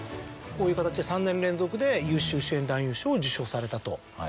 こういう形で３年連続で優秀主演男優賞を受賞されたと。